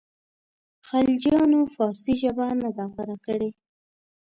خلجیانو فارسي ژبه نه ده غوره کړې.